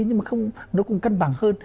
nhưng mà nó cũng cân bằng hơn